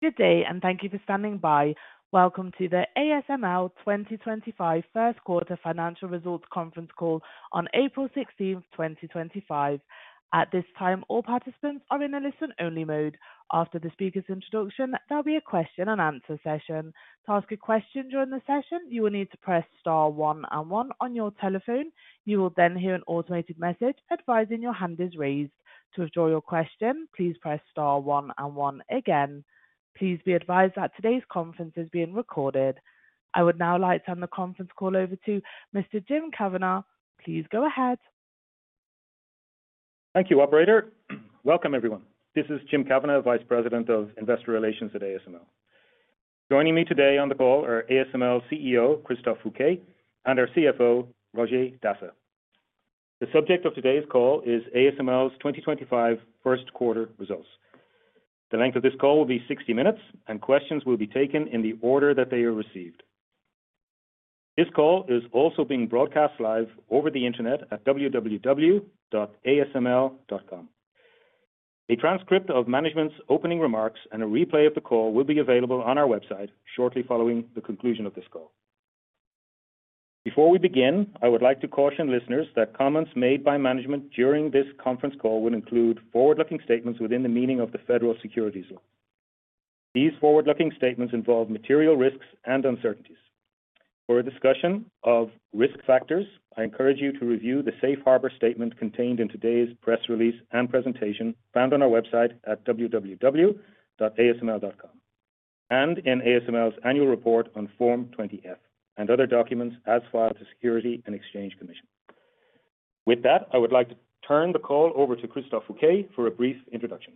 Good day, and thank you for standing by. Welcome to the ASML 2025 First Quarter Financial Results Conference Call on April 16, 2025. At this time, all participants are in a listen-only mode. After the speaker's introduction, there will be a question-and-answer session. To ask a question during the session, you will need to press star one and one on your telephone. You will then hear an automated message advising your hand is raised. To withdraw your question, please press star one and one again. Please be advised that today's conference is being recorded. I would now like to turn the conference call over to Mr. Jim Kavanagh. Please go ahead. Thank you, Operator. Welcome, everyone. This is Jim Kavanagh, Vice President of Investor Relations at ASML. Joining me today on the call are ASML CEO Christophe Fouquet and our CFO Roger Dassen. The subject of today's call is ASML's 2025 First Quarter Results. The length of this call will be 60 minutes, and questions will be taken in the order that they are received. This call is also being broadcast live over the internet at www.asml.com. A transcript of management's opening remarks and a replay of the call will be available on our website shortly following the conclusion of this call. Before we begin, I would like to caution listeners that comments made by management during this conference call will include forward-looking statements within the meaning of the Federal Securities Law. These forward-looking statements involve material risks and uncertainties. For a discussion of risk factors, I encourage you to review the Safe Harbor statement contained in today's press release and presentation found on our website at www.asml.com and in ASML's annual report on Form 20-F and other documents as filed to the Securities and Exchange Commission. With that, I would like to turn the call over to Christophe Fouquet for a brief introduction.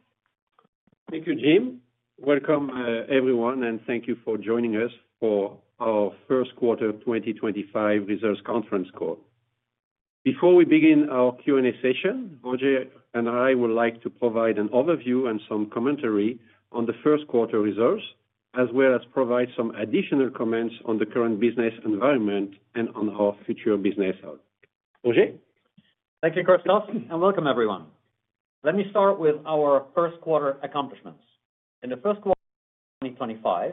Thank you, Jim. Welcome, everyone, and thank you for joining us for our First Quarter 2025 Results Conference Call. Before we begin our Q&A session, Roger and I would like to provide an overview and some commentary on the First Quarter Results, as well as provide some additional comments on the current business environment and on our future business outlook. Roger. Thank you, Christophe, and welcome, everyone. Let me start with our first quarter accomplishments. In the first quarter 2025,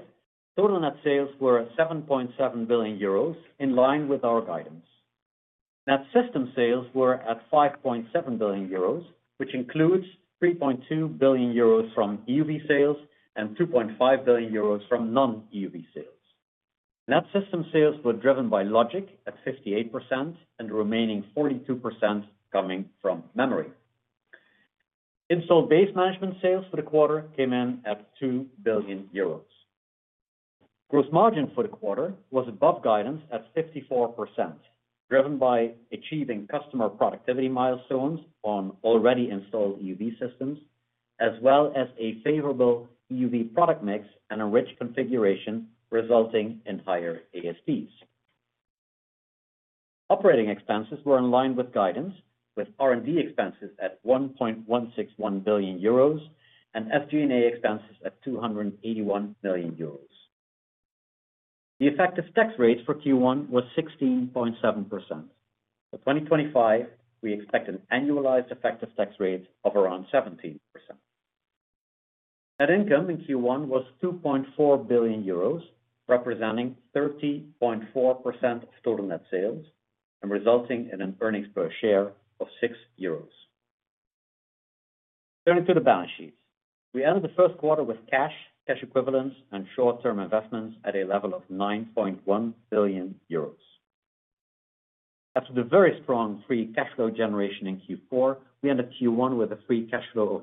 total net sales were 7.7 billion euros, in line with our guidance. Net system sales were at 5.7 billion euros, which includes 3.2 billion euros from EUV sales and 2.5 billion euros from non-EUV sales. Net system sales were driven by logic at 58%, and the remaining 42% coming from memory. Installed base management sales for the quarter came in at 2 billion euros. Gross margin for the quarter was above guidance at 54%, driven by achieving customer productivity milestones on already installed EUV systems, as well as a favorable EUV product mix and a rich configuration resulting in higher ASPs. Operating expenses were in line with guidance, with R&D expenses at 1.161 billion euros and SG&A expenses at 281 million euros. The effective tax rate for Q1 was 16.7%. For 2025, we expect an annualized effective tax rate of around 17%. Net income in Q1 was 2.4 billion euros, representing 30.4% of total net sales, and resulting in an earnings per share of 6 euros. Turning to the balance sheets, we ended the first quarter with cash, cash equivalents, and short-term investments at a level of 9.1 billion euros. After the very strong free cash flow generation in Q4, we ended Q1 with a free cash flow of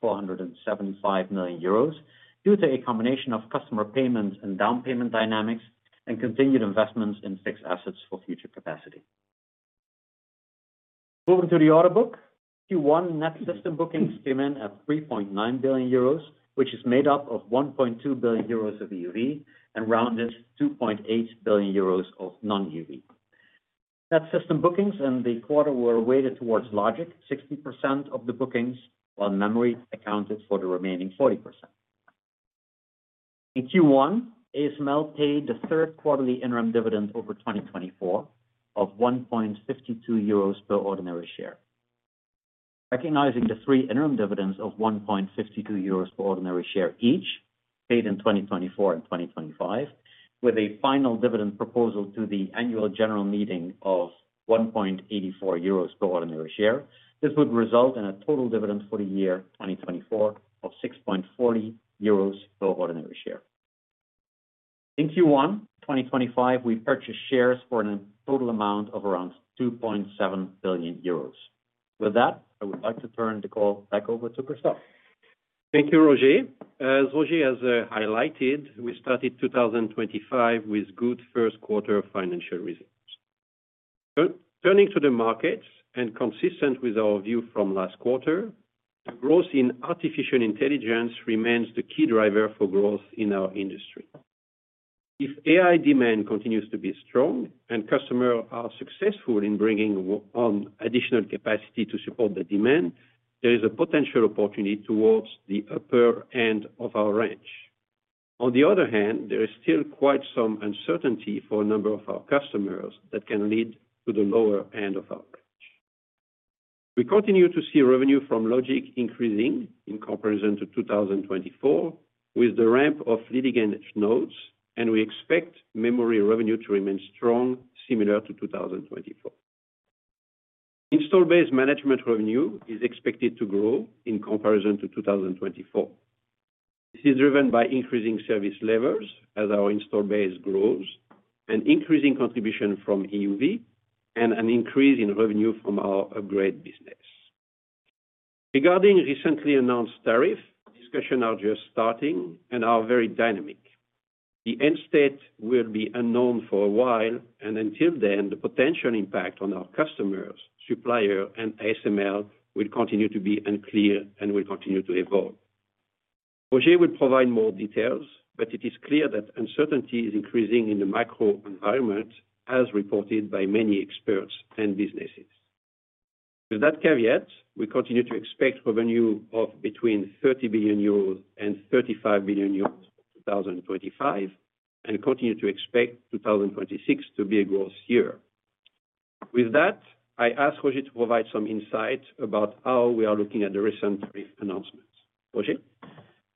475 million euros due to a combination of customer payments and down payment dynamics and continued investments in fixed assets for future capacity. Moving to the order book, Q1 net system bookings came in at 3.9 billion euros, which is made up of 1.2 billion euros of EUV and rounded 2.8 billion euros of non-EUV. Net system bookings in the quarter were weighted towards logic, 60% of the bookings, while memory accounted for the remaining 40%. In Q1, ASML paid the third quarterly interim dividend over 2024 of 1.52 euros per ordinary share. Recognizing the three interim dividends of 1.52 euros per ordinary share each, paid in 2024 and 2025, with a final dividend proposal to the annual general meeting of 1.84 euros per ordinary share, this would result in a total dividend for the year 2024 of 6.40 euros per ordinary share. In Q1 2025, we purchased shares for a total amount of around 2.7 billion euros. With that, I would like to turn the call back over to Christophe. Thank you, Roger. As Roger has highlighted, we started 2025 with good first quarter financial results. Turning to the markets and consistent with our view from last quarter, the growth in artificial intelligence remains the key driver for growth in our industry. If AI demand continues to be strong and customers are successful in bringing on additional capacity to support the demand, there is a potential opportunity towards the upper end of our range. On the other hand, there is still quite some uncertainty for a number of our customers that can lead to the lower end of our range. We continue to see revenue from logic increasing in comparison to 2024, with the ramp of leading-edge nodes, and we expect memory revenue to remain strong, similar to 2024. Installed base management revenue is expected to grow in comparison to 2024. This is driven by increasing service levers as our installed base grows, an increasing contribution from EUV, and an increase in revenue from our upgrade business. Regarding recently announced tariffs, discussions are just starting and are very dynamic. The end state will be unknown for a while, and until then, the potential impact on our customers, suppliers, and ASML will continue to be unclear and will continue to evolve. Roger will provide more details, but it is clear that uncertainty is increasing in the macro environment, as reported by many experts and businesses. With that caveat, we continue to expect revenue of between 30 billion euros to 35 billion euros for 2025, and continue to expect 2026 to be a growth year. With that, I ask Roger to provide some insight about how we are looking at the recent tariff announcements. Roger?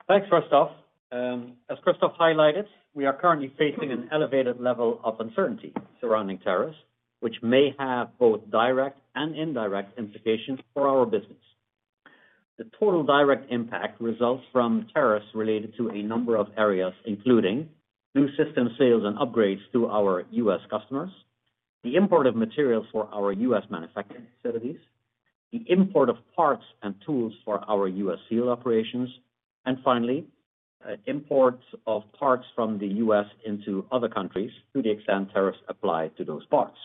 Thanks, Christophe. As Christophe highlighted, we are currently facing an elevated level of uncertainty surrounding tariffs, which may have both direct and indirect implications for our business. The total direct impact results from tariffs related to a number of areas, including new system sales and upgrades to our U.S. customers, the import of materials for our U.S. manufacturing facilities, the import of parts and tools for our U.S. field operations, and finally, imports of parts from the U.S. into other countries to the extent tariffs apply to those parts.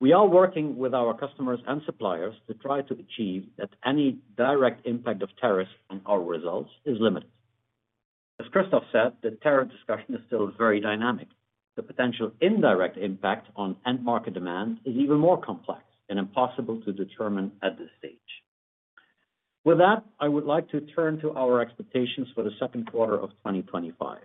We are working with our customers and suppliers to try to achieve that any direct impact of tariffs on our results is limited. As Christophe said, the tariff discussion is still very dynamic. The potential indirect impact on end-market demand is even more complex and impossible to determine at this stage. With that, I would like to turn to our expectations for the second quarter of 2025.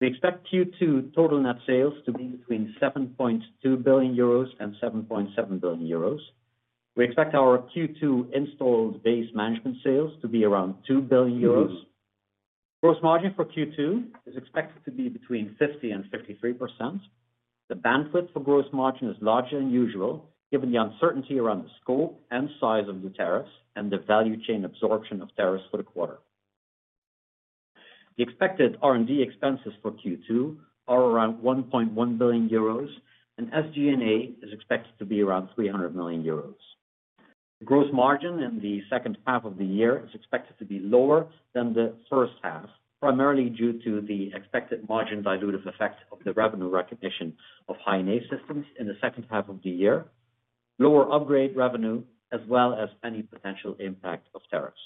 We expect Q2 total net sales to be between 7.2 billion euros to 7.7 billion euros. We expect our Q2 Installed Base Management sales to be around 2 billion euros. Gross margin for Q2 is expected to be between 50% and 53%. The bandwidth for gross margin is larger than usual, given the uncertainty around the scope and size of the tariffs and the value chain absorption of tariffs for the quarter. The expected R&D expenses for Q2 are around 1.1 billion euros, and SG&A is expected to be around 300 million euros. Gross margin in the second half of the year is expected to be lower than the first half, primarily due to the expected margin dilutive effect of the revenue recognition of High-NA systems in the second half of the year, lower upgrade revenue, as well as any potential impact of tariffs.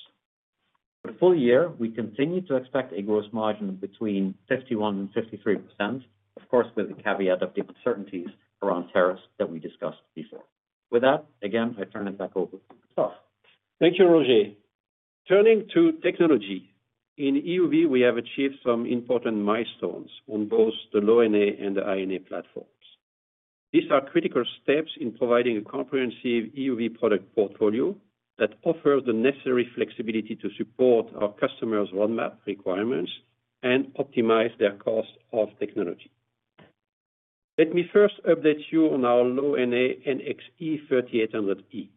For the full year, we continue to expect a gross margin between 51% and 53%, of course, with the caveat of the uncertainties around tariffs that we discussed before. With that, again, I turn it back over to Christophe. Thank you, Roger. Turning to technology, in EUV, we have achieved some important milestones on both the Low-NA and the High-NA platforms. These are critical steps in providing a comprehensive EUV product portfolio that offers the necessary flexibility to support our customers' roadmap requirements and optimize their cost of technology. Let me first update you on our Low-NA NXE:3800E.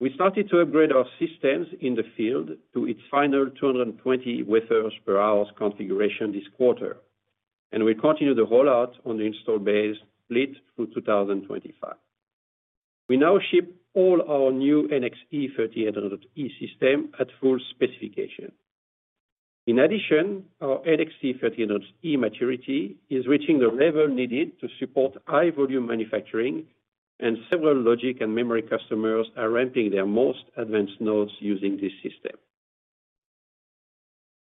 We started to upgrade our systems in the field to its final 220 wafers per hour configuration this quarter, and we continue the rollout on the installed base split through 2025. We now ship all our new NXE:3800E systems at full specification. In addition, our NXE:3800E maturity is reaching the level needed to support high-volume manufacturing, and several logic and memory customers are ramping their most advanced nodes using this system.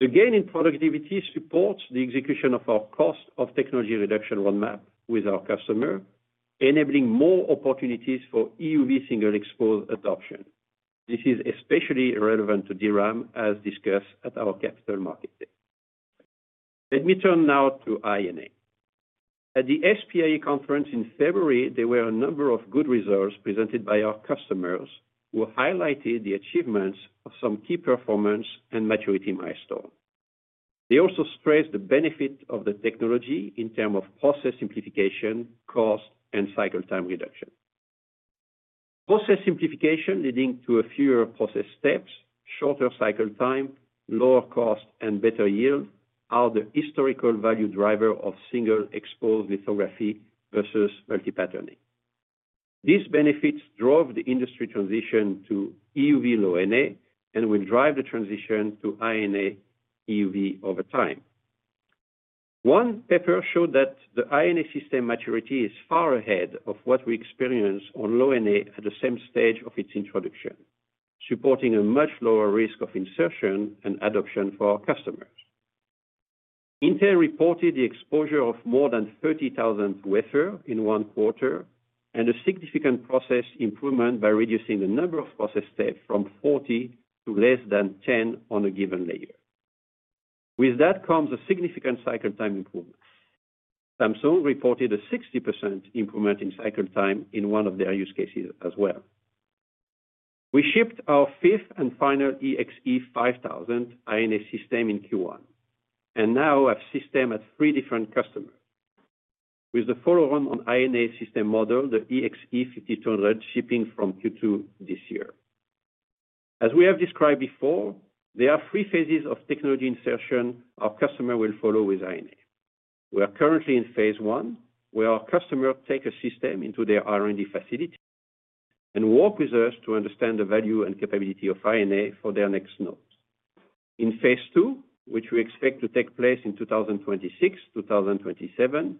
The gain in productivity supports the execution of our cost of technology reduction roadmap with our customers, enabling more opportunities for EUV single-expose adoption. This is especially relevant to DRAM, as discussed at our Capital Market Day. Let me turn now to High-NA. At the SPIE conference in February, there were a number of good results presented by our customers, who highlighted the achievements of some key performance and maturity milestones. They also stressed the benefit of the technology in terms of process simplification, cost, and cycle time reduction. Process simplification leading to fewer process steps, shorter cycle time, lower cost, and better yield are the historical value driver of single-expose lithography versus multi-patterning. These benefits drove the industry transition to EUV Low-NA and will drive the transition to High-NA EUV over time. One paper showed that the High-NA system maturity is far ahead of what we experienced on Low-NA at the same stage of its introduction, supporting a much lower risk of insertion and adoption for our customers. Intel reported the exposure of more than 30,000 wafer in one quarter and a significant process improvement by reducing the number of process steps from 40 to less than 10 on a given layer. With that comes a significant cycle time improvement. Samsung reported a 60% improvement in cycle time in one of their use cases as well. We shipped our fifth and final EXE:5000 High-NA system in Q1 and now have systems at three different customers. With the follow-on High-NA system model, the EXE:5200 shipping from Q2 this year. As we have described before, there are three phases of technology insertion our customer will follow with High-NA. We are currently in phase I, where our customer takes a system into their R&D facility and works with us to understand the value and capability of High-NA for their next nodes. In phase II, which we expect to take place in 2026-2027,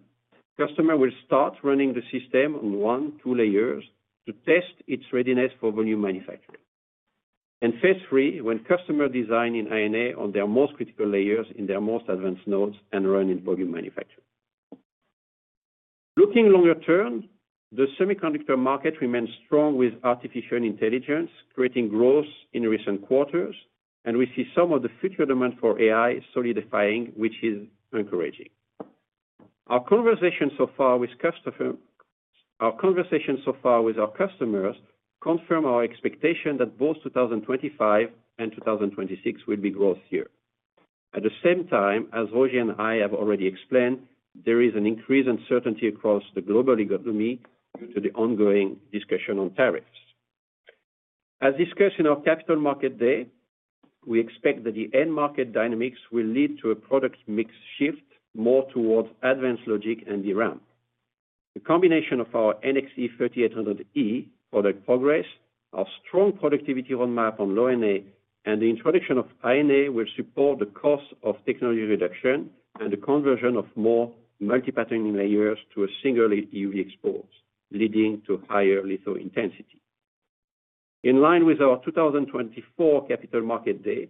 customers will start running the system on one, two layers to test its readiness for volume manufacturing. In phase III, when customers design in High-NA on their most critical layers in their most advanced nodes and run in volume manufacturing. Looking longer term, the semiconductor market remains strong with artificial intelligence creating growth in recent quarters, and we see some of the future demand for AI solidifying, which is encouraging. Our conversation so far with customers confirms our expectation that both 2025 and 2026 will be growth years. At the same time, as Roger and I have already explained, there is an increased uncertainty across the global economy due to the ongoing discussion on tariffs. As discussed in our Capital Market Day, we expect that the end-market dynamics will lead to a product mix shift more towards advanced logic and DRAM. The combination of our NXE:3800E product progress, our strong productivity roadmap on Low-NA, and the introduction of High-NA will support the cost of technology reduction and the conversion of more multi-patterning layers to a single EUV expose, leading to higher litho-intensity. In line with our 2024 Capital Market Day,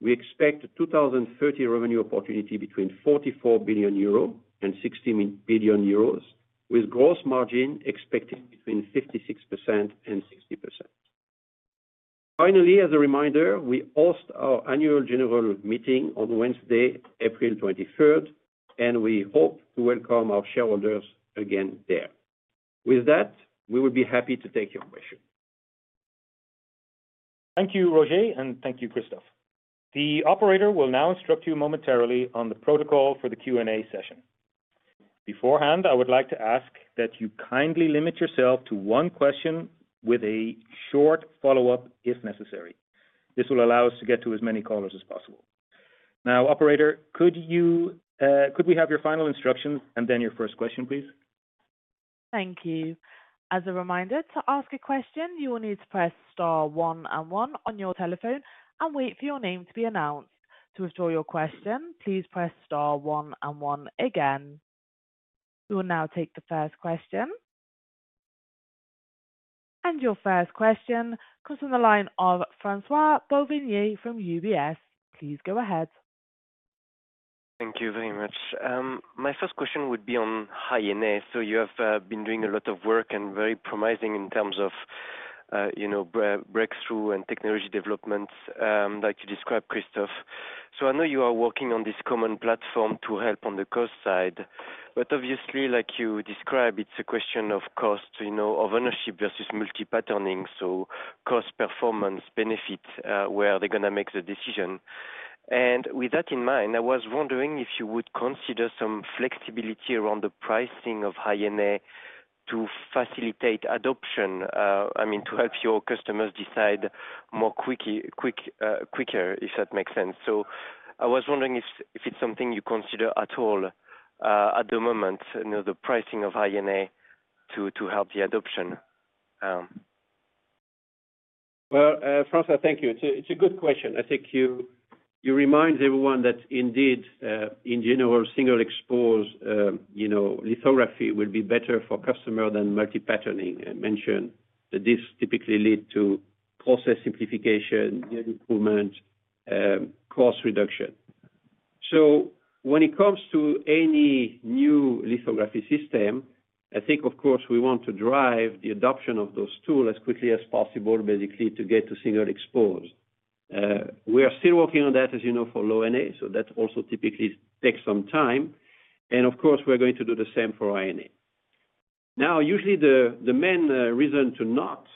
we expect a 2030 revenue opportunity between 44 billion euro to 60 billion euros, with gross margin expected between 56% and 60%. Finally, as a reminder, we host our annual general meeting on Wednesday, April 23rd, and we hope to welcome our shareholders again there. With that, we would be happy to take your questions. Thank you, Roger, and thank you, Christophe. The operator will now instruct you momentarily on the protocol for the Q&A session. Beforehand, I would like to ask that you kindly limit yourself to one question with a short follow-up if necessary. This will allow us to get to as many callers as possible. Now, operator, could we have your final instructions and then your first question, please? Thank you. As a reminder, to ask a question, you will need to press star one and one on your telephone and wait for your name to be announced. To withdraw your question, please press star one and one again. We will now take the first question. Your first question comes from the line of François Bouvignies from UBS. Please go ahead. Thank you very much. My first question would be on High-NA. You have been doing a lot of work and very promising in terms of breakthrough and technology developments like you described, Christophe. I know you are working on this common platform to help on the cost side, but obviously, like you described, it's a question of cost, of ownership versus multi-patterning, so cost performance benefit where they're going to make the decision. With that in mind, I was wondering if you would consider some flexibility around the pricing of High-NA to facilitate adoption, I mean, to help your customers decide more quicker, if that makes sense. I was wondering if it's something you consider at all at the moment, the pricing of High-NA to help the adoption. François, thank you. It's a good question. I think you remind everyone that indeed, in general, single-expose lithography will be better for customers than multi-patterning. I mentioned that this typically leads to process simplification, yield improvement, cost reduction. When it comes to any new lithography system, I think, of course, we want to drive the adoption of those tools as quickly as possible, basically to get to single-expose. We are still working on that, as you know, for Low-NA, so that also typically takes some time. Of course, we're going to do the same for High-NA. Usually, the main reason to not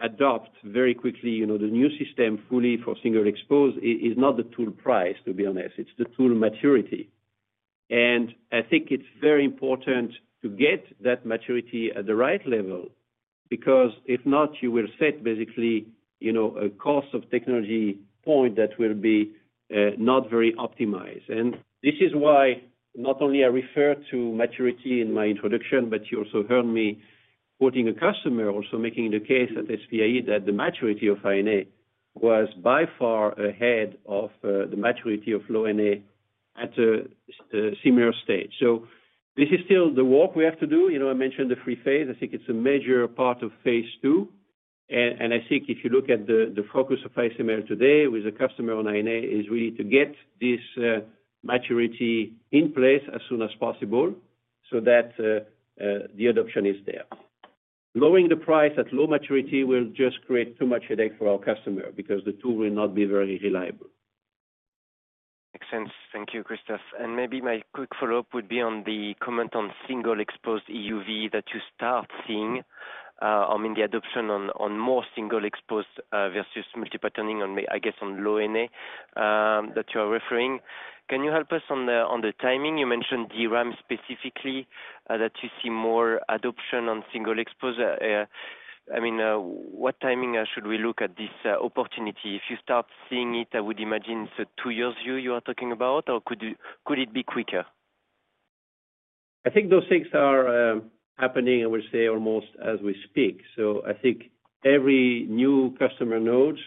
adopt very quickly the new system fully for single-expose is not the tool price, to be honest. It's the tool maturity. I think it's very important to get that maturity at the right level because if not, you will set basically a cost of technology point that will be not very optimized. This is why not only I refer to maturity in my introduction, but you also heard me quoting a customer, also making the case at SPIE that the maturity of High-NA was by far ahead of the maturity of Low-NA at a similar stage. This is still the work we have to do. I mentioned the three phase. I think it's a major part of phase II. I think if you look at the focus of ASML today with a customer on High-NA, it is really to get this maturity in place as soon as possible so that the adoption is there. Lowering the price at low maturity will just create too much headache for our customer because the tool will not be very reliable. Makes sense. Thank you, Christophe. Maybe my quick follow-up would be on the comment on single-expose EUV that you start seeing in the adoption on more single-expose versus multi-patterning, I guess, on Low-NA that you are referring. Can you help us on the timing? You mentioned DRAM specifically that you see more adoption on single-expose. I mean, what timing should we look at this opportunity? If you start seeing it, I would imagine it's a two-year view you are talking about, or could it be quicker? I think those things are happening, I would say, almost as we speak. I think every new customer nodes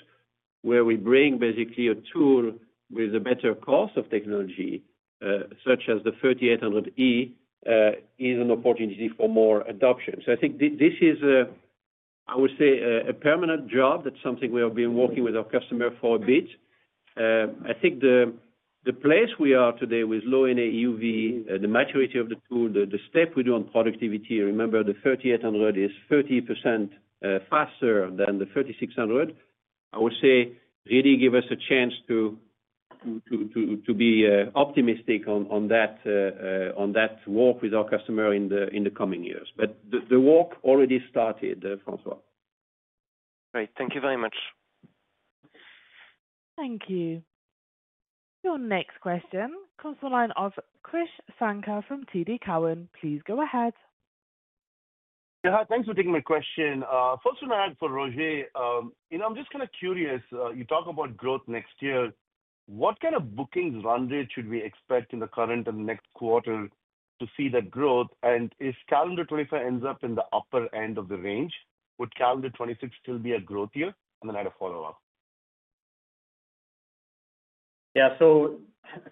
where we bring basically a tool with a better cost of technology, such as the 3800E, is an opportunity for more adoption. I think this is, I would say, a permanent job. That's something we have been working with our customer for a bit. I think the place we are today with Low-NA EUV, the maturity of the tool, the step we do on productivity, remember the 3800 is 30% faster than the 3600, I would say, really gives us a chance to be optimistic on that work with our customer in the coming years. The work already started, François. Great. Thank you very much. Thank you. Your next question comes from the line of Krish Sankar from TD Cowen. Please go ahead. Thanks for taking my question. First, for Roger, I'm just kind of curious. You talk about growth next year. What kind of bookings run rate should we expect in the current and next quarter to see that growth? If calendar 2025 ends up in the upper end of the range, would calendar 2026 still be a growth year? I had a follow-up. Yeah.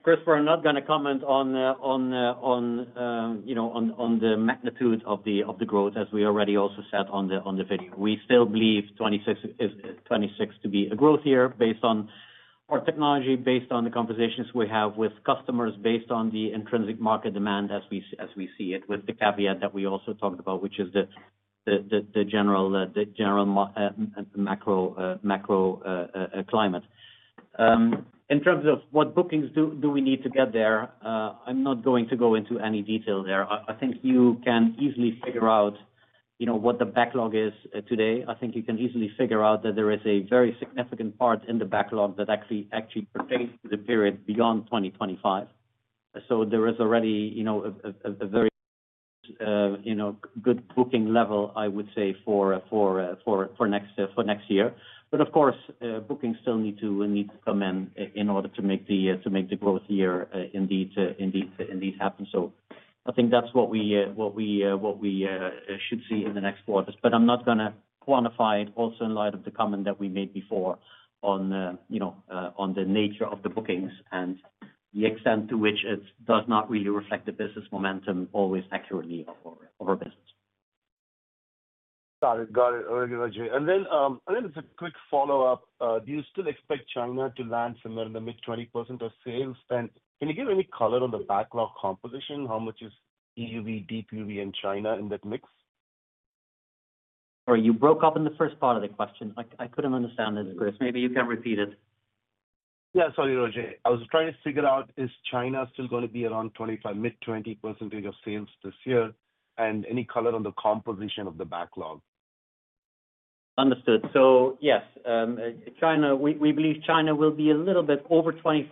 First, we're not going to comment on the magnitude of the growth, as we already also said on the video. We still believe 2026 to be a growth year based on our technology, based on the conversations we have with customers, based on the intrinsic market demand as we see it, with the caveat that we also talked about, which is the general macro climate. In terms of what bookings do we need to get there, I'm not going to go into any detail there. I think you can easily figure out what the backlog is today. I think you can easily figure out that there is a very significant part in the backlog that actually pertains to the period beyond 2025. There is already a very good booking level, I would say, for next year. Of course, bookings still need to come in in order to make the growth year indeed happen. I think that's what we should see in the next quarters. I'm not going to quantify it also in light of the comment that we made before on the nature of the bookings and the extent to which it does not really reflect the business momentum always accurately of our business. Got it. Got it. Roger. Just a quick follow-up. Do you still expect China to land somewhere in the mid-20% of sales? Can you give any color on the backlog composition? How much is EUV, Deep UV, and China in that mix? Sorry, you broke up in the first part of the question. I couldn't understand this, Krish. Maybe you can repeat it. Yeah. Sorry, Roger. I was trying to figure out, is China still going to be around mid-20% of sales this year? Any color on the composition of the backlog? Understood. Yes, we believe China will be a little bit over 25%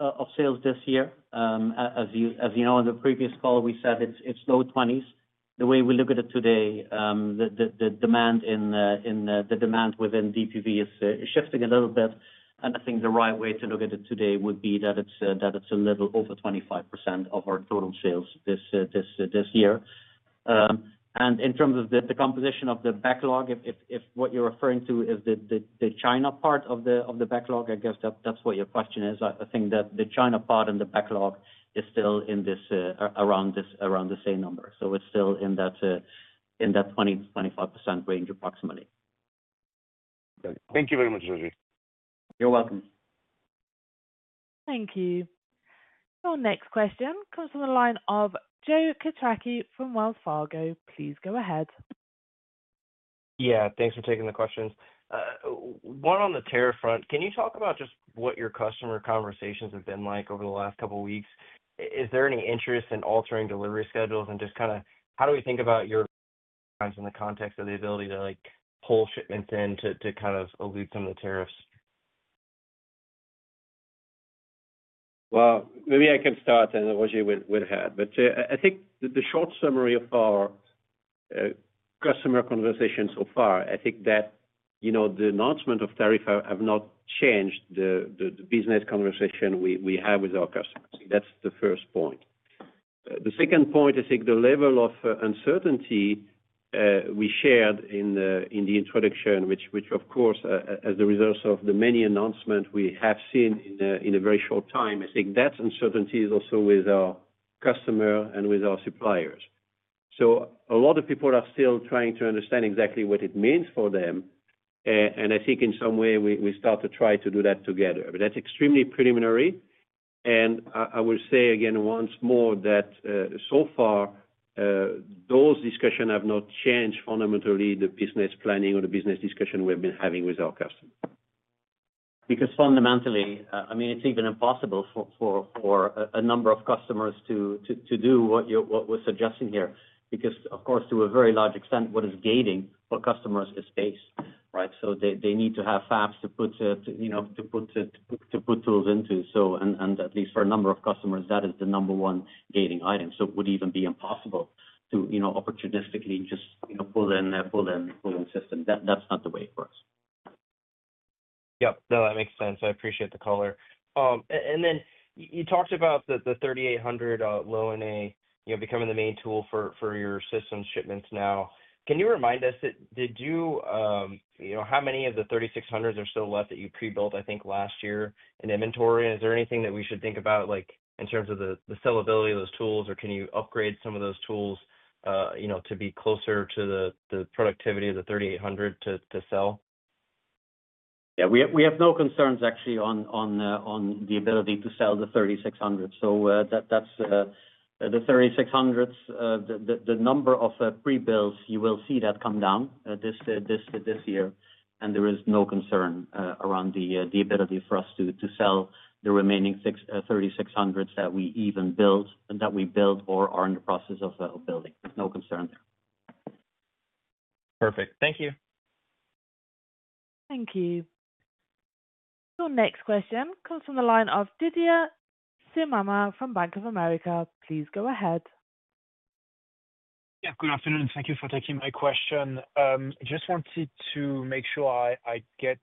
of sales this year. As you know, on the previous call, we said it is low 20s. The way we look at it today, the demand within Deep UV is shifting a little bit. I think the right way to look at it today would be that it is a little over 25% of our total sales this year. In terms of the composition of the backlog, if what you are referring to is the China part of the backlog, I guess that is what your question is. I think that the China part in the backlog is still around the same number. It is still in that 20-25% range, approximately. Thank you very much, Roger. You're welcome. Thank you. Your next question comes from the line of Joe Quatrochi from Wells Fargo. Please go ahead. Yeah. Thanks for taking the questions. One on the tariff front, can you talk about just what your customer conversations have been like over the last couple of weeks? Is there any interest in altering delivery schedules? Just kind of how do we think about your lines in the context of the ability to pull shipments in to kind of elude some of the tariffs? Maybe I can start, and Roger would have had. I think the short summary of our customer conversation so far, I think that the announcement of tariffs have not changed the business conversation we have with our customers. That is the first point. The second point, I think the level of uncertainty we shared in the introduction, which, of course, as a result of the many announcements we have seen in a very short time, I think that uncertainty is also with our customer and with our suppliers. A lot of people are still trying to understand exactly what it means for them. I think in some way, we start to try to do that together. That is extremely preliminary. I will say again once more that so far, those discussions have not changed fundamentally the business planning or the business discussion we have been having with our customers. Because fundamentally, I mean, it's even impossible for a number of customers to do what we're suggesting here because, of course, to a very large extent, what is gating for customers is space, right? They need to have fabs to put tools into. At least for a number of customers, that is the number one gating item. It would even be impossible to opportunistically just pull in a pull-in system. That's not the way for us. Yep. No, that makes sense. I appreciate the color. You talked about the 3800 Low-NA becoming the main tool for your system shipments now. Can you remind us, did you, how many of the 3600s are still left that you pre-built, I think, last year in inventory? Is there anything that we should think about in terms of the sellability of those tools, or can you upgrade some of those tools to be closer to the productivity of the 3800 to sell? Yeah. We have no concerns, actually, on the ability to sell the 3600. The 3600s, the number of pre-builds, you will see that come down this year. There is no concern around the ability for us to sell the remaining 3600s that we even build and that we build or are in the process of building. There is no concern there. Perfect. Thank you. Thank you. Your next question comes from the line of Didier Scemama from Bank of America. Please go ahead. Yeah. Good afternoon. Thank you for taking my question. I just wanted to make sure I get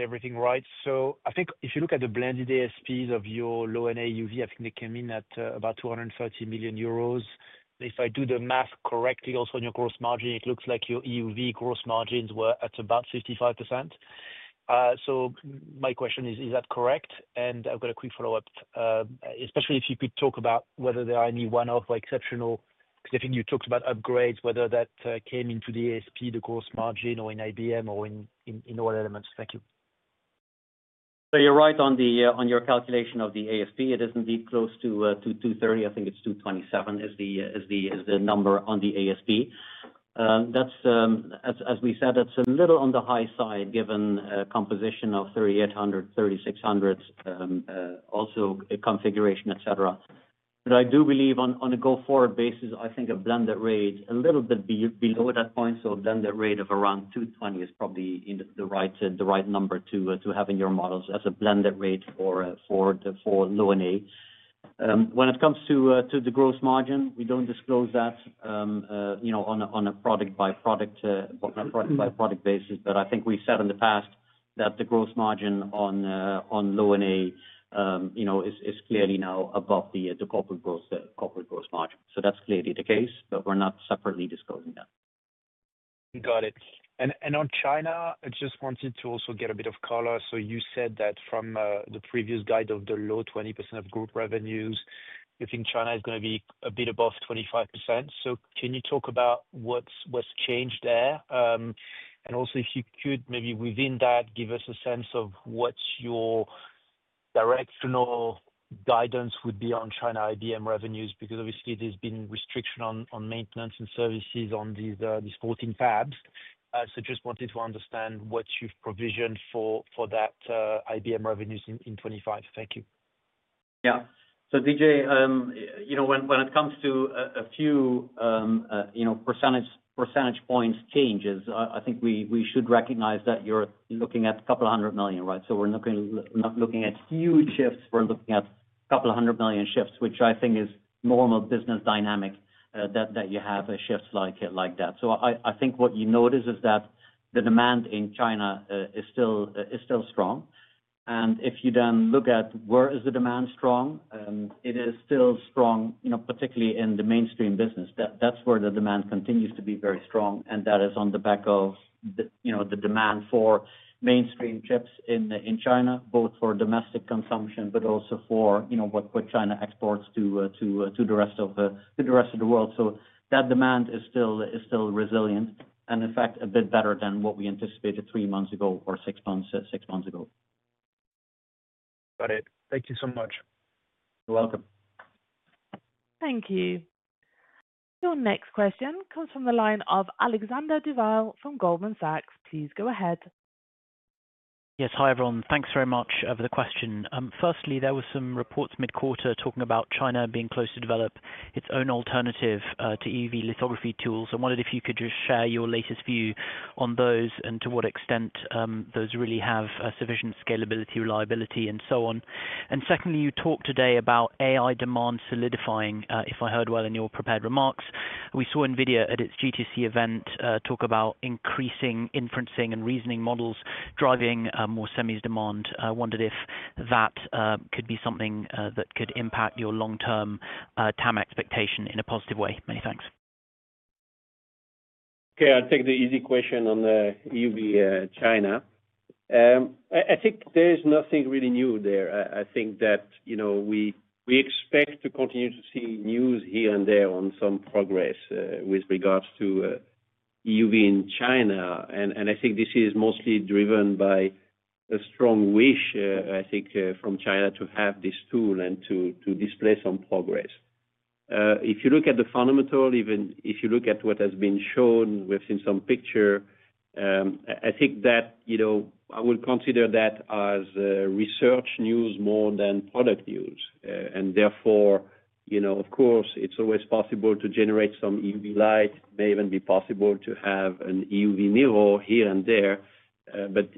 everything right. I think if you look at the blended ASPs of your Low-NA EUV, I think they came in at about 230 million euros. If I do the math correctly, also on your gross margin, it looks like your EUV gross margins were at about 55%. My question is, is that correct? I have got a quick follow-up, especially if you could talk about whether there are any one-off or exceptional, because I think you talked about upgrades, whether that came into the ASP, the gross margin, or in Installed Base Management, or in other elements. Thank you. You're right on your calculation of the ASP. It is indeed close to 230. I think it's 227 is the number on the ASP. As we said, it's a little on the high side given composition of 3800, 3600, also configuration, etc. I do believe on a go-forward basis, a blended rate a little bit below that point. A blended rate of around 220 is probably the right number to have in your models as a blended rate for Low-NA EUV. When it comes to the gross margin, we don't disclose that on a product-by-product basis. I think we said in the past that the gross margin on Low-NA EUV is clearly now above the corporate gross margin. That's clearly the case, but we're not separately disclosing that. Got it. On China, I just wanted to also get a bit of color. You said that from the previous guide of the low 20% of group revenues, you think China is going to be a bit above 25%. Can you talk about what's changed there? If you could, maybe within that, give us a sense of what your directional guidance would be on China IBM revenues because obviously, there's been restriction on maintenance and services on these 14 fabs. I just wanted to understand what you've provisioned for that IBM revenues in 2025. Thank you. Yeah. Didier, when it comes to a few percentage point changes, I think we should recognize that you're looking at a couple of hundred million, right? We're not looking at huge shifts. We're looking at a couple of hundred million shifts, which I think is normal business dynamic that you have a shift like that. I think what you notice is that the demand in China is still strong. If you then look at where is the demand strong, it is still strong, particularly in the mainstream business. That's where the demand continues to be very strong. That is on the back of the demand for mainstream chips in China, both for domestic consumption, but also for what China exports to the rest of the world. That demand is still resilient and, in fact, a bit better than what we anticipated three months ago or six months ago. Got it. Thank you so much. You're welcome. Thank you. Your next question comes from the line of Alexander Duval from Goldman Sachs. Please go ahead. Yes. Hi, everyone. Thanks very much for the question. Firstly, there were some reports mid-quarter talking about China being close to develop its own alternative to EUV lithography tools. I wondered if you could just share your latest view on those and to what extent those really have sufficient scalability, reliability, and so on. Secondly, you talked today about AI demand solidifying, if I heard well in your prepared remarks. We saw NVIDIA at its GTC event talk about increasing inferencing and reasoning models driving more semis demand. I wondered if that could be something that could impact your long-term TAM expectation in a positive way. Many thanks. Okay. I'll take the easy question on the EUV China. I think there is nothing really new there. I think that we expect to continue to see news here and there on some progress with regards to EUV in China. I think this is mostly driven by a strong wish, I think, from China to have this tool and to display some progress. If you look at the fundamental, even if you look at what has been shown, we've seen some picture. I think that I would consider that as research news more than product news. Therefore, of course, it's always possible to generate some EUV light. It may even be possible to have an EUV mirror here and there.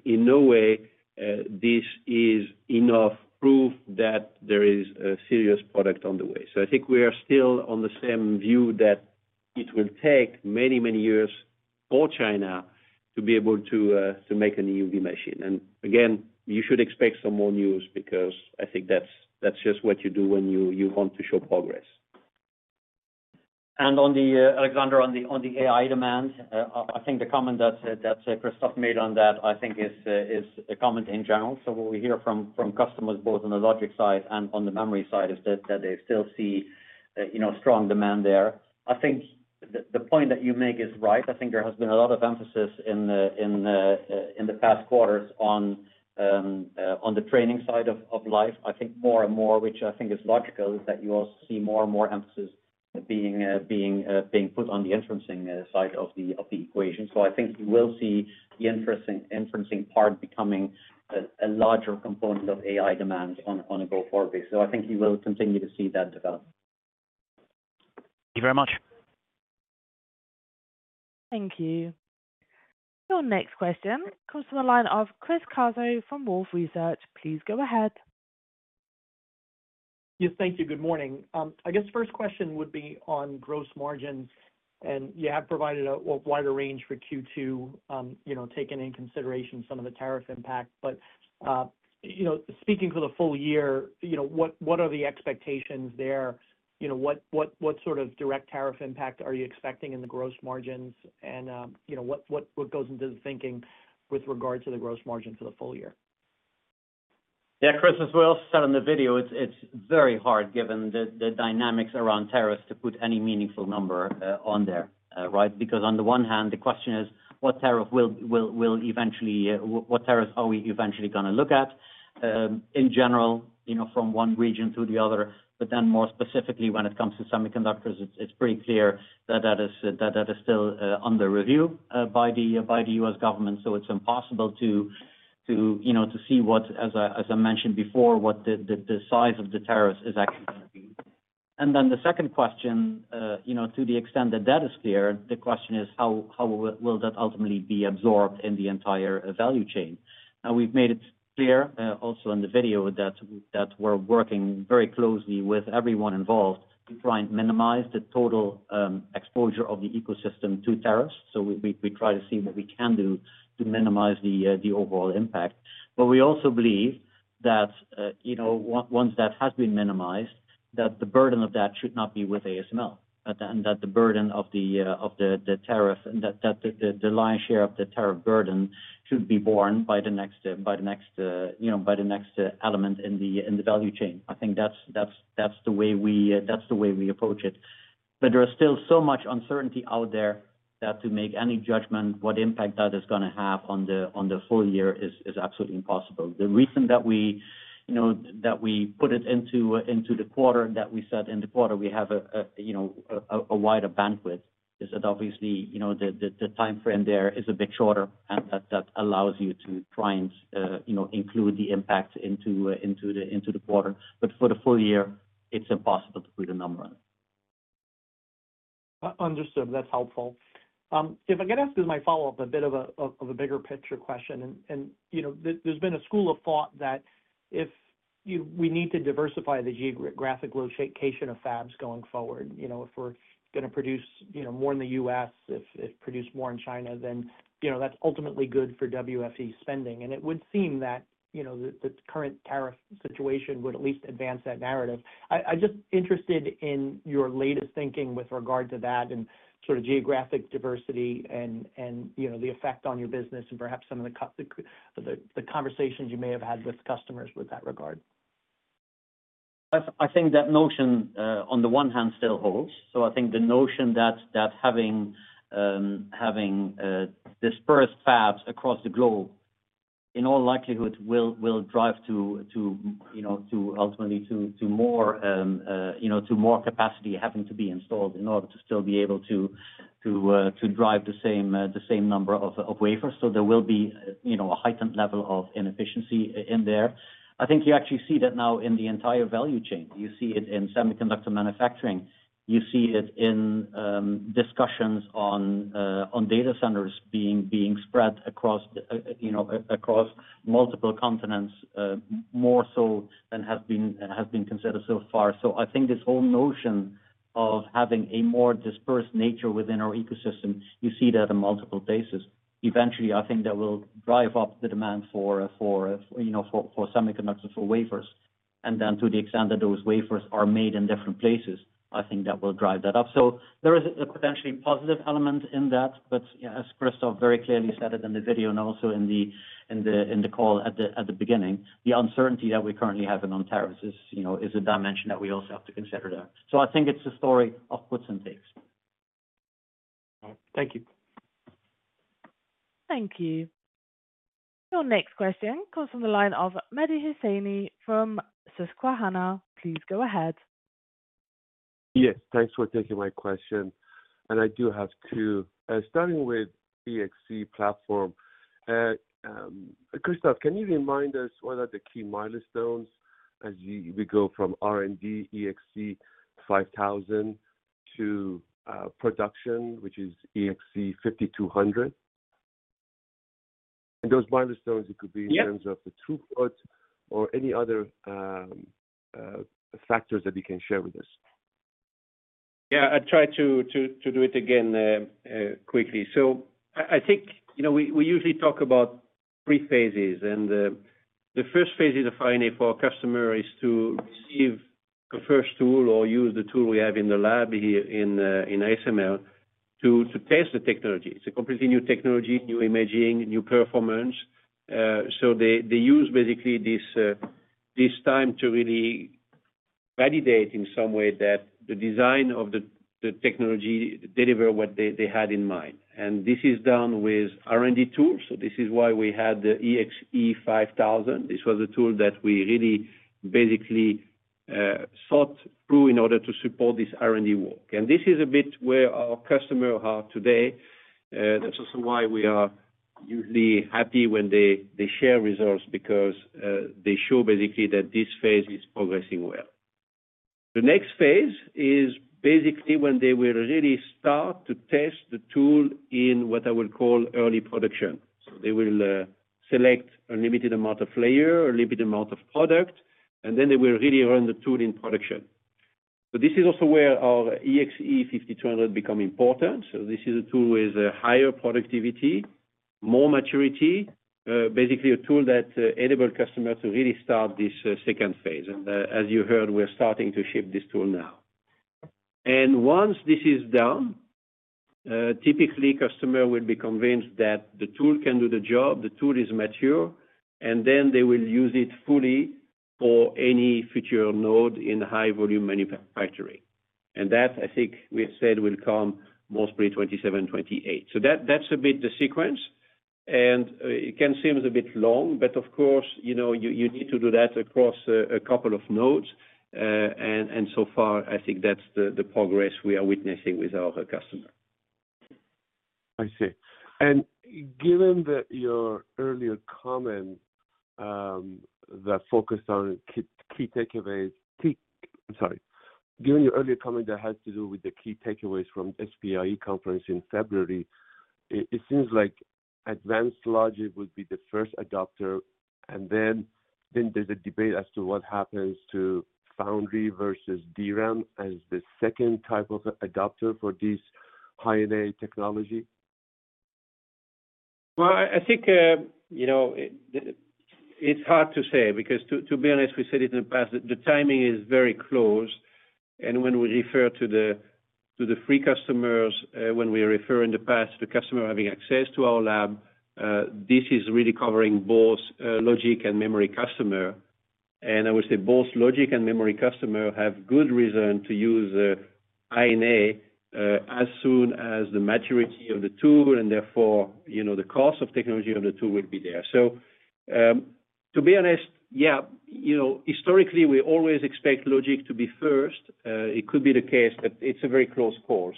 In no way this is enough proof that there is a serious product on the way. I think we are still on the same view that it will take many, many years for China to be able to make an EUV machine. Again, you should expect some more news because I think that's just what you do when you want to show progress. Alexander, on the AI demand, I think the comment that Christophe made on that is a comment in general. What we hear from customers, both on the logic side and on the memory side, is that they still see strong demand there. I think the point that you make is right. There has been a lot of emphasis in the past quarters on the training side of life. More and more, which I think is logical, is that you also see more and more emphasis being put on the inferencing side of the equation. I think you will see the inferencing part becoming a larger component of AI demand on a go-forward basis. I think you will continue to see that develop. Thank you very much. Thank you. Your next question comes from the line of Chris Caso from Wolfe Research. Please go ahead. Yes. Thank you. Good morning. I guess the first question would be on gross margins. You have provided a wider range for Q2, taking into consideration some of the tariff impact. Speaking for the full year, what are the expectations there? What sort of direct tariff impact are you expecting in the gross margins? What goes into the thinking with regards to the gross margin for the full year? Yeah. Chris, as we also said on the video, it's very hard given the dynamics around tariffs to put any meaningful number on there, right? Because on the one hand, the question is, what tariff will eventually, what tariffs are we eventually going to look at in general from one region to the other? More specifically, when it comes to semiconductors, it's pretty clear that that is still under review by the U.S. government. It's impossible to see, as I mentioned before, what the size of the tariffs is actually going to be. The second question, to the extent that that is clear, the question is, how will that ultimately be absorbed in the entire value chain? Now, we've made it clear also in the video that we're working very closely with everyone involved to try and minimize the total exposure of the ecosystem to tariffs. We try to see what we can do to minimize the overall impact. We also believe that once that has been minimized, the burden of that should not be with ASML and that the burden of the tariff, that the lion's share of the tariff burden should be borne by the next element in the value chain. I think that's the way we approach it. There is still so much uncertainty out there that to make any judgment what impact that is going to have on the full year is absolutely impossible. The reason that we put it into the quarter that we said in the quarter, we have a wider bandwidth is that obviously the timeframe there is a bit shorter, and that allows you to try and include the impact into the quarter. For the full year, it's impossible to put a number on it. Understood. That's helpful. If I could ask as my follow-up, a bit of a bigger picture question. There has been a school of thought that if we need to diversify the geographic location of fabs going forward, if we're going to produce more in the U.S., if produce more in China, then that's ultimately good for WFE spending. It would seem that the current tariff situation would at least advance that narrative. I'm just interested in your latest thinking with regard to that and sort of geographic diversity and the effect on your business and perhaps some of the conversations you may have had with customers with that regard. I think that notion, on the one hand, still holds. I think the notion that having dispersed fabs across the globe, in all likelihood, will drive to ultimately to more capacity having to be installed in order to still be able to drive the same number of wafers. There will be a heightened level of inefficiency in there. I think you actually see that now in the entire value chain. You see it in semiconductor manufacturing. You see it in discussions on data centers being spread across multiple continents, more so than has been considered so far. I think this whole notion of having a more dispersed nature within our ecosystem, you see that on multiple bases. Eventually, I think that will drive up the demand for semiconductors, for wafers. To the extent that those wafers are made in different places, I think that will drive that up. There is a potentially positive element in that. As Christophe very clearly said in the video and also in the call at the beginning, the uncertainty that we currently have in on tariffs is a dimension that we also have to consider there. I think it's a story of puts and takes. Thank you. Thank you. Your next question comes from the line of Mehdi Hosseini from Susquehanna. Please go ahead. Yes. Thanks for taking my question. I do have two. Starting with EXE platform, Christophe, can you remind us what are the key milestones as we go from R&D EXE:5000 to production, which is EXE:5200? Those milestones, it could be in terms of the throughput or any other factors that you can share with us. Yeah. I'll try to do it again quickly. I think we usually talk about three phases. The first phase is a fine, for a customer is to receive the first tool or use the tool we have in the lab here in ASML to test the technology. It's a completely new technology, new imaging, new performance. They use basically this time to really validate in some way that the design of the technology delivers what they had in mind. This is done with R&D tools. This is why we had the EXE:5000. This was a tool that we really basically thought through in order to support this R&D work. This is a bit where our customers are today. That's also why we are usually happy when they share results because they show basically that this phase is progressing well. The next phase is basically when they will really start to test the tool in what I will call early production. They will select a limited amount of layer, a limited amount of product, and then they will really run the tool in production. This is also where our EXE:5200 becomes important. This is a tool with higher productivity, more maturity, basically a tool that enables customers to really start this second phase. As you heard, we're starting to ship this tool now. Once this is done, typically, customers will be convinced that the tool can do the job, the tool is mature, and they will use it fully for any future node in high-volume manufacturing. That, I think we have said, will come mostly 2027, 2028. That's a bit the sequence. It can seem a bit long, but of course, you need to do that across a couple of nodes. So far, I think that's the progress we are witnessing with our customers. I see. Given your earlier comment that has to do with the key takeaways from the SPIE conference in February, it seems like Advanced Logic would be the first adopter. Then there is a debate as to what happens to Foundry versus DRAM as the second type of adopter for this High-NA technology. I think it's hard to say because, to be honest, we said it in the past, the timing is very close. When we refer to the three customers, when we refer in the past to customers having access to our lab, this is really covering both logic and memory customer. I would say both logic and memory customers have good reason to use High-NA as soon as the maturity of the tool and therefore the cost of technology of the tool will be there. To be honest, yeah, historically, we always expect logic to be first. It could be the case, but it's a very close call.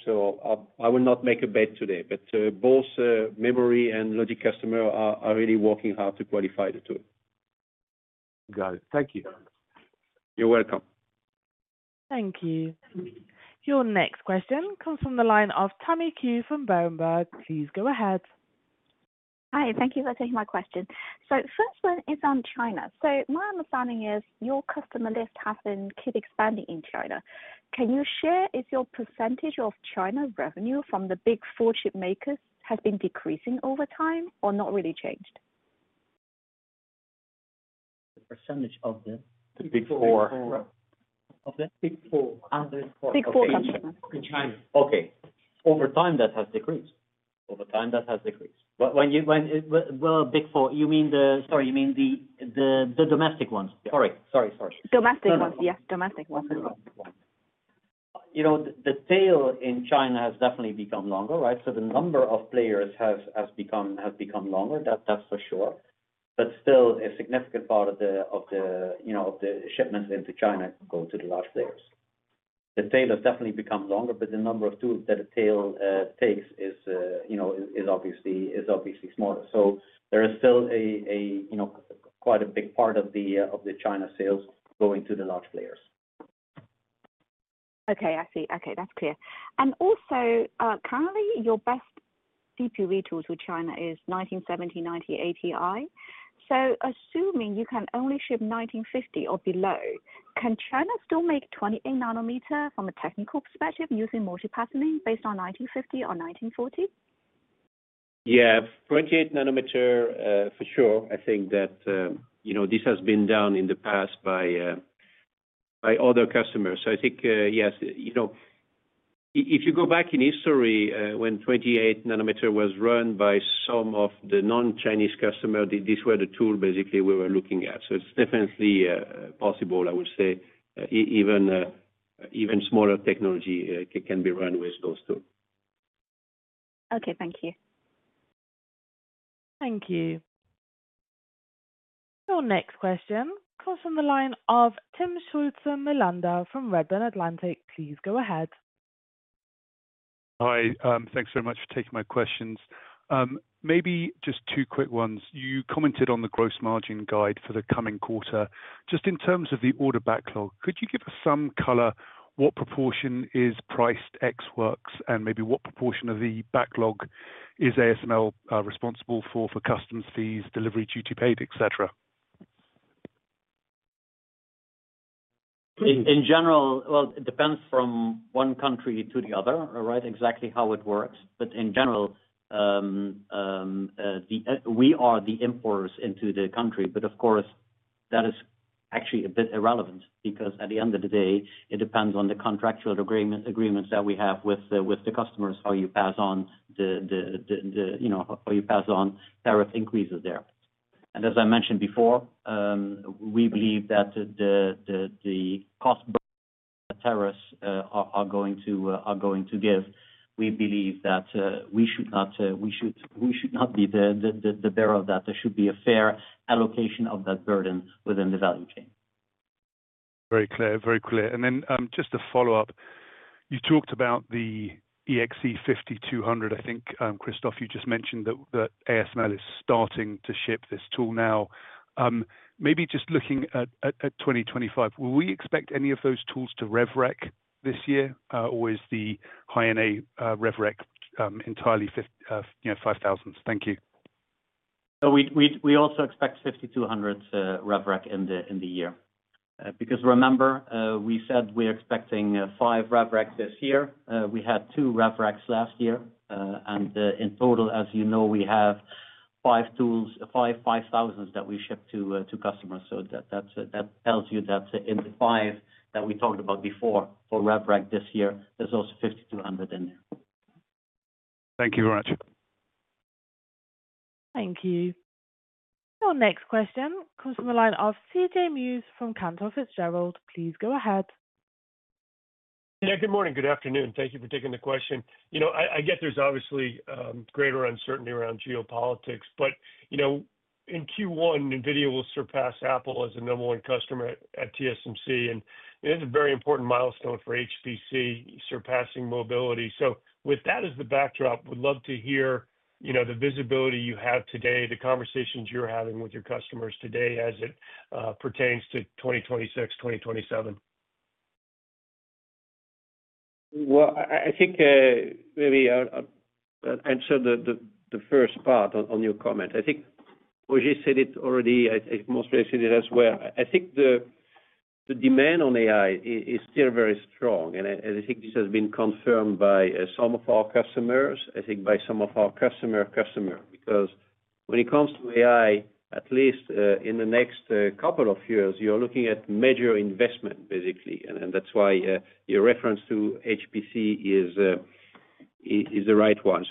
I will not make a bet today. Both memory and logic customers are really working hard to qualify the tool. Got it. Thank you. You're welcome. Thank you. Your next question comes from the line of Tammy Qiu from Berenberg. Please go ahead. Hi. Thank you for taking my question. First one is on China. My understanding is your customer list has been keep expanding in China. Can you share if your percentage of China revenue from the Big Four chip makers has been decreasing over time or not really changed? The percentage of the Big Four? Big Four. Big Four. Big Four customers. In China. Over time, that has decreased. Over time, that has decreased. When you—Big Four, you mean the—sorry, you mean the domestic ones. Sorry. Sorry. Sorry. Domestic ones. Yes. Domestic ones. The tail in China has definitely become longer, right? The number of players has become longer, that's for sure. Still, a significant part of the shipments into China go to the large players. The tail has definitely become longer, but the number of tools that the tail takes is obviously smaller. There is still quite a big part of the China sales going to the large players. Okay. I see. Okay. That is clear. Also, currently, your best DUV tools with China is 1970, 1980i. Assuming you can only ship 1950 or below, can China still make 28 nanometer from a technical perspective using multi-patterning based on 1950 or 1940? Yeah. 28 nanometer, for sure. I think that this has been done in the past by other customers. I think, yes, if you go back in history when 28 nanometer was run by some of the non-Chinese customers, these were the tools basically we were looking at. It is definitely possible. I would say even smaller technology can be run with those tools. Okay. Thank you. Thank you. Your next question comes from the line of Timm Schulze-Melander from Redburn Atlantic. Please go ahead. Hi. Thanks very much for taking my questions. Maybe just two quick ones. You commented on the gross margin guide for the coming quarter. Just in terms of the order backlog, could you give us some color what proportion is Priced Ex Works and maybe what proportion of the backlog is ASML responsible for for customs fees, Delivery Duty Paid, etc.? In general, it depends from one country to the other, right, exactly how it works. In general, we are the importers into the country. Of course, that is actually a bit irrelevant because at the end of the day, it depends on the contractual agreements that we have with the customers, how you pass on the—how you pass on tariff increases there. As I mentioned before, we believe that the cost burden that tariffs are going to give. We believe that we should not be the bearer of that. There should be a fair allocation of that burden within the value chain. Very clear. Very clear. And then just to follow up, you talked about the EXE:5200. I think, Christophe, you just mentioned that ASML is starting to ship this tool now. Maybe just looking at 2025, will we expect any of those tools to rev rec this year, or is the High-NA rev rec entirely 5000s? Thank you. We also expect 5200s rev rec in the year. Because remember, we said we're expecting five rev recs this year. We had two rev recs last year. In total, as you know, we have five 5000s that we ship to customers. That tells you that in the five that we talked about before for rev rec this year, there's also 5200 in there. Thank you very much. Thank you. Your next question comes from the line of CJ Muse from Cantor Fitzgerald. Please go ahead. Yeah. Good morning. Good afternoon. Thank you for taking the question. I get there's obviously greater uncertainty around geopolitics. In Q1, NVIDIA will surpass Apple as the number one customer at TSMC. It is a very important milestone for HPC, surpassing mobility. With that as the backdrop, we'd love to hear the visibility you have today, the conversations you're having with your customers today as it pertains to 2026, 2027. I think maybe I'll answer the first part on your comment. I think Roger said it already. I mostly said it as well. I think the demand on AI is still very strong. I think this has been confirmed by some of our customers, I think by some of our customer customers. Because when it comes to AI, at least in the next couple of years, you're looking at major investment, basically. That is why your reference to HPC is the right one.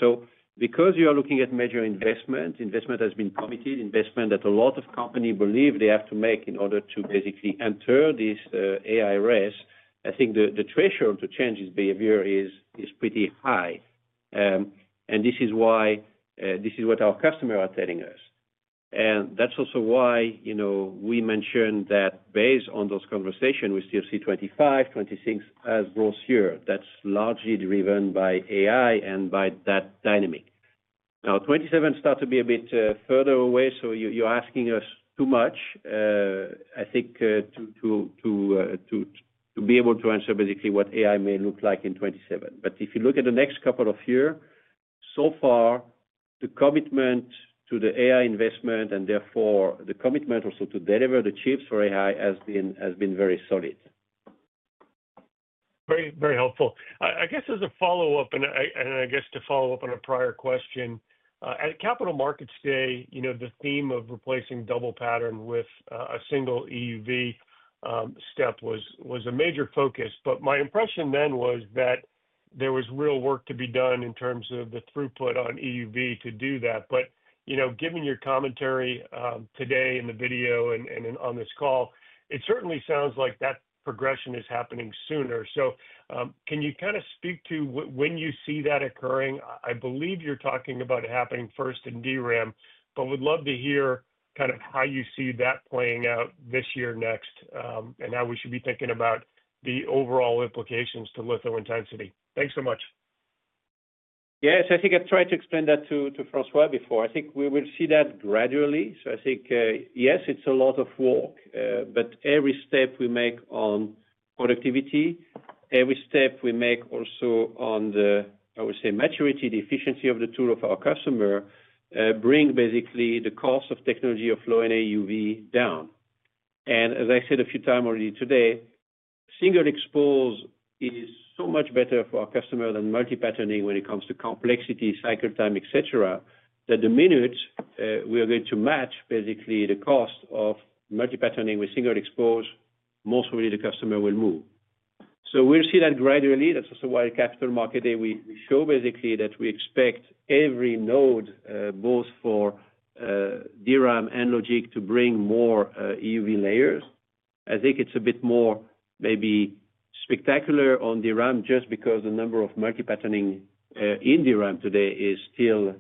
Because you are looking at major investment, investment has been committed, investment that a lot of companies believe they have to make in order to basically enter this AI race, I think the threshold to change its behavior is pretty high. This is what our customers are telling us. That is also why we mentioned that based on those conversations, we still see 2025, 2026 as growth year. That is largely driven by AI and by that dynamic. Now, 2027 starts to be a bit further away. You are asking us too much, I think, to be able to answer basically what AI may look like in 2027. If you look at the next couple of years, so far, the commitment to the AI investment and therefore the commitment also to deliver the chips for AI has been very solid. Very helpful. I guess as a follow-up, and I guess to follow up on a prior question, at Capital Markets Day, the theme of replacing double pattern with a single EUV step was a major focus. My impression then was that there was real work to be done in terms of the throughput on EUV to do that. Given your commentary today in the video and on this call, it certainly sounds like that progression is happening sooner. Can you kind of speak to when you see that occurring? I believe you're talking about it happening first in DRAM, but would love to hear kind of how you see that playing out this year, next, and how we should be thinking about the overall implications to litho-intensity. Thanks so much. Yes. I think I have tried to explain that to François before. I think we will see that gradually. I think, yes, it is a lot of work. Every step we make on productivity, every step we make also on the, I would say, maturity, the efficiency of the tool of our customer brings basically the cost of technology of Low-NA EUV down. As I said a few times already today, single exposure is so much better for our customers than multi-patterning when it comes to complexity, cycle time, etc., that the minute we are going to match basically the cost of multi-patterning with single exposure, most probably the customer will move. We will see that gradually. That is also why at Capital Markets Day, we show basically that we expect every node, both for DRAM and logic, to bring more EUV layers. I think it's a bit more maybe spectacular on DRAM just because the number of multi-patterning in DRAM today is still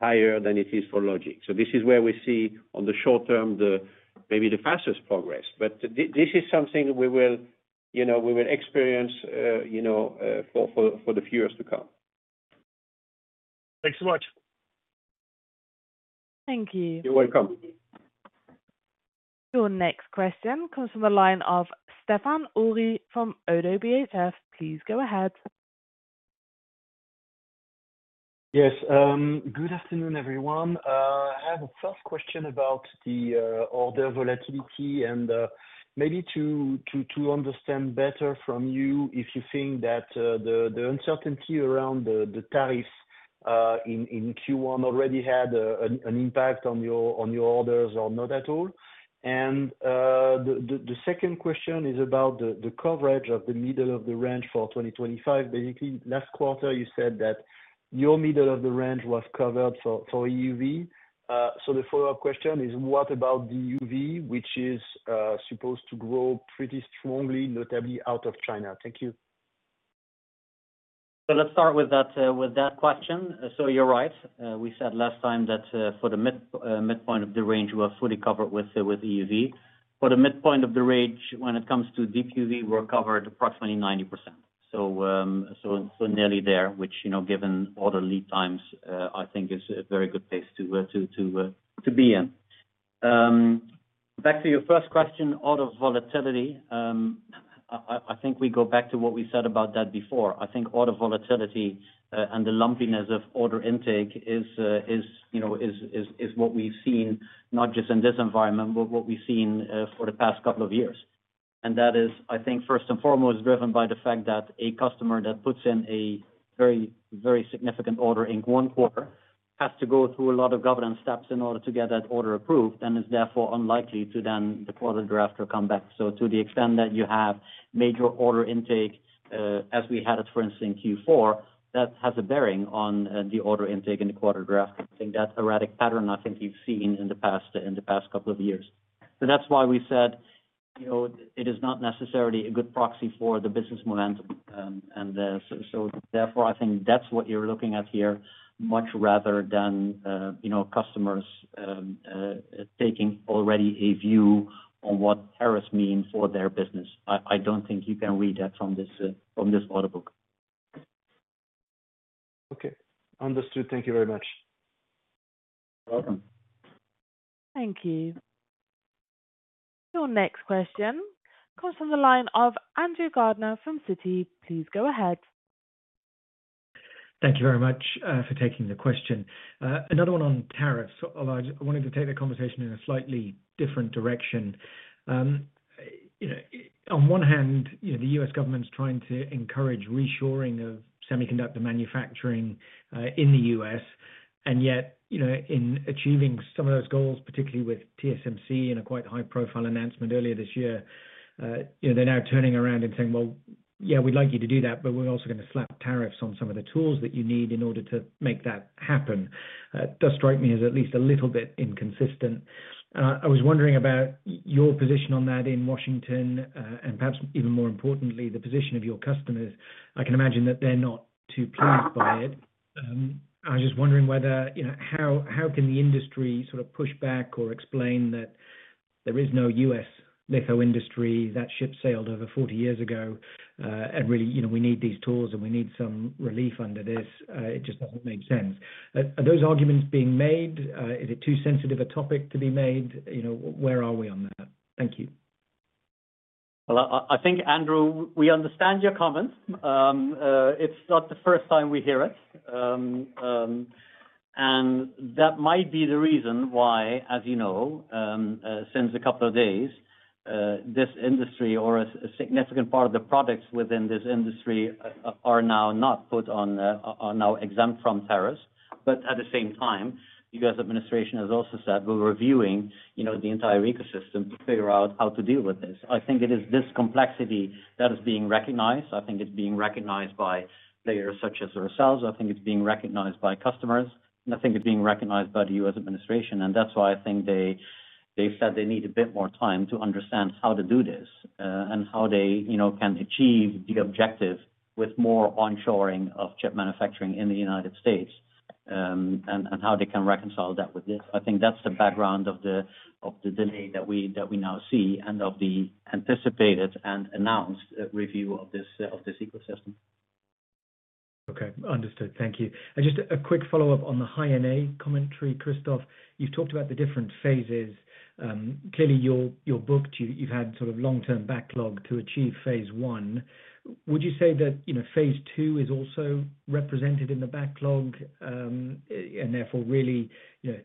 higher than it is for logic. This is where we see on the short term maybe the fastest progress. This is something we will experience for the few years to come. Thanks so much. Thank you. You're welcome. Your next question comes from the line of Stephane Houri from ODDO BHF. Please go ahead. Yes. Good afternoon, everyone. I have a first question about the order volatility. Maybe to understand better from you if you think that the uncertainty around the tariffs in Q1 already had an impact on your orders or not at all. The second question is about the coverage of the middle of the range for 2025. Basically, last quarter, you said that your middle of the range was covered for EUV. The follow-up question is, what about DUV, which is supposed to grow pretty strongly, notably out of China? Thank you. Let's start with that question. You're right. We said last time that for the midpoint of the range, we were fully covered with EUV. For the midpoint of the range, when it comes to DUV, we're covered approximately 90%. Nearly there, which given order lead times, I think is a very good place to be in. Back to your first question, order volatility, I think we go back to what we said about that before. I think order volatility and the lumpiness of order intake is what we've seen, not just in this environment, but what we've seen for the past couple of years. That is, I think, first and foremost, driven by the fact that a customer that puts in a very significant order in one quarter has to go through a lot of governance steps in order to get that order approved and is therefore unlikely to then the quarter draft or come back. To the extent that you have major order intake as we had it, for instance, in Q4, that has a bearing on the order intake in the quarter draft. I think that erratic pattern, I think you've seen in the past couple of years. That is why we said it is not necessarily a good proxy for the business momentum. Therefore, I think that's what you're looking at here, much rather than customers taking already a view on what tariffs mean for their business. I don't think you can read that from this order book. Okay. Understood. Thank you very much. You're welcome. Thank you. Your next question comes from the line of Andrew Gardiner from Citi. Please go ahead. Thank you very much for taking the question. Another one on tariffs. Although I wanted to take the conversation in a slightly different direction. On one hand, the U.S. government's trying to encourage reshoring of semiconductor manufacturing in the United States. Yet, in achieving some of those goals, particularly with TSMC in a quite high-profile announcement earlier this year, they're now turning around and saying, "Well, yeah, we'd like you to do that, but we're also going to slap tariffs on some of the tools that you need in order to make that happen." It does strike me as at least a little bit inconsistent. I was wondering about your position on that in Washington and perhaps even more importantly, the position of your customers. I can imagine that they're not too pleased by it. I was just wondering how can the industry sort of push back or explain that there is no U.S. litho-industry, that ship sailed over 40 years ago, and really we need these tools and we need some relief under this? It just doesn't make sense. Are those arguments being made? Is it too sensitive a topic to be made? Where are we on that? Thank you. I think, Andrew, we understand your comments. It's not the first time we hear it. That might be the reason why, as you know, since a couple of days, this industry or a significant part of the products within this industry are now exempt from tariffs. At the same time, the U.S. administration has also said, "We're reviewing the entire ecosystem to figure out how to deal with this." I think it is this complexity that is being recognized. I think it's being recognized by players such as ourselves. I think it's being recognized by customers. I think it's being recognized by the U.S. administration. That is why I think they've said they need a bit more time to understand how to do this and how they can achieve the objective with more onshoring of chip manufacturing in the U.S. and how they can reconcile that with this. I think that is the background of the delay that we now see and of the anticipated and announced review of this ecosystem. Okay. Understood. Thank you. Just a quick follow-up on the High-NA commentary, Christophe. You've talked about the different phases. Clearly, your book, you've had sort of long-term backlog to achieve phase I. Would you say that phase II is also represented in the backlog? Therefore, really,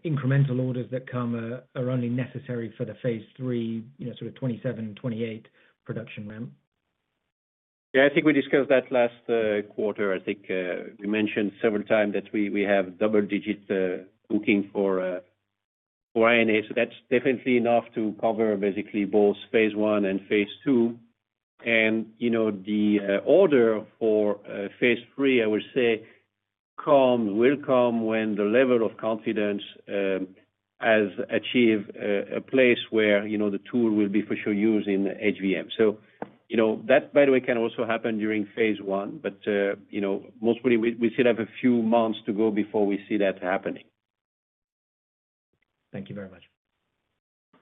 incremental orders that come are only necessary for the phase III, sort of 2027, 2028 production ramp? Yeah. I think we discussed that last quarter. I think we mentioned several times that we have double-digit booking for High-NA. That is definitely enough to cover basically both phase I and phase II. The order for phase III, I would say, will come when the level of confidence has achieved a place where the tool will be for sure used in HVM. That, by the way, can also happen during phase I. Most probably, we still have a few months to go before we see that happening. Thank you very much.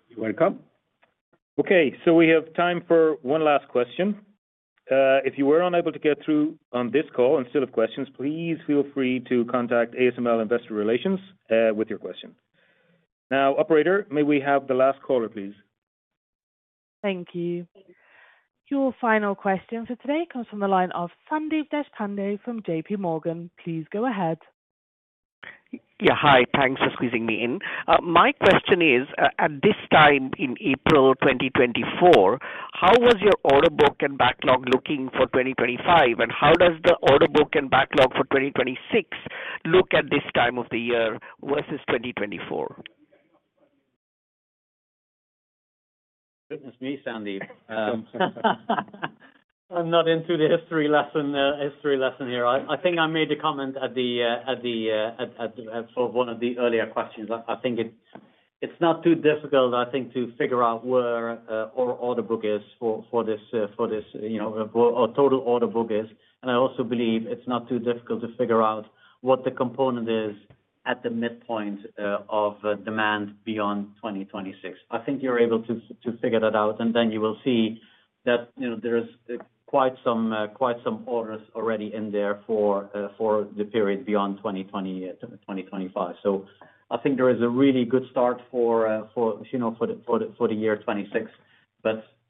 You're welcome. Okay. We have time for one last question. If you were unable to get through on this call instead of questions, please feel free to contact ASML Investor Relations with your question. Now, Operator, may we have the last caller, please? Thank you. Your final question for today comes from the line of Sandeep Deshpande from JPMorgan. Please go ahead. Yeah. Hi. Thanks for squeezing me in. My question is, at this time in April 2024, how was your order book and backlog looking for 2025? How does the order book and backlog for 2026 look at this time of the year versus 2024? Goodness me, Sandeep. I'm not into the history lesson here. I think I made a comment at one of the earlier questions. I think it's not too difficult, I think, to figure out where our order book is for this or total order book is. I also believe it's not too difficult to figure out what the component is at the midpoint of demand beyond 2026. I think you're able to figure that out. You will see that there's quite some orders already in there for the period beyond 2025. I think there is a really good start for the year 2026.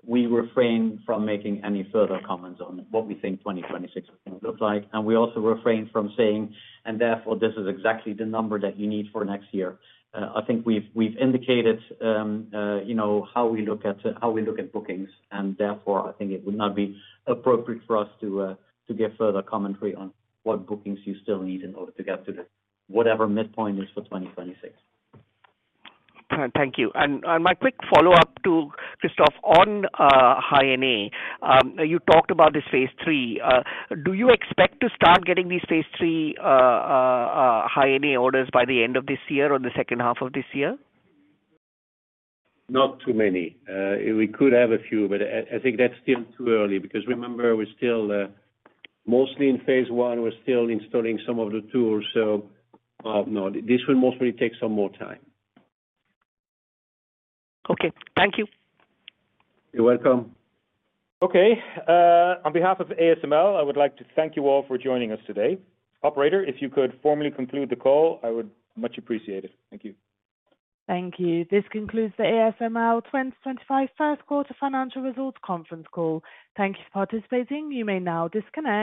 We refrain from making any further comments on what we think 2026 is going to look like. We also refrain from saying, "And therefore, this is exactly the number that you need for next year." I think we've indicated how we look at how we look at bookings. Therefore, I think it would not be appropriate for us to give further commentary on what bookings you still need in order to get to whatever midpoint is for 2026. Thank you. My quick follow-up to Christophe on High-NA. You talked about this phase III. Do you expect to start getting these phase III High-NA orders by the end of this year or the second half of this year? Not too many. We could have a few, but I think that's still too early because remember, we're still mostly in phase I. We're still installing some of the tools. No, this will most probably take some more time. Okay. Thank you. You're welcome. Okay. On behalf of ASML, I would like to thank you all for joining us today. Operator, if you could formally conclude the call, I would much appreciate it. Thank you. Thank you. This concludes the ASML 2025 First Quarter Financial Results Conference Call. Thank you for participating. You may now disconnect.